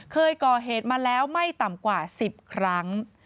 เคยก่อเหตุมาแล้วไม่ต่ำกว่า๑๐ครั้ง